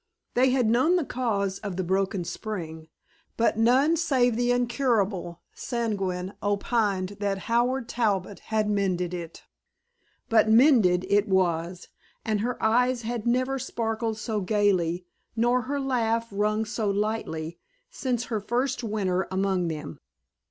They had known the cause of the broken spring, but none save the incurably sanguine opined that Howard Talbot had mended it. But mended it was and her eyes had never sparkled so gaily, nor her laugh rung so lightly since her first winter among them.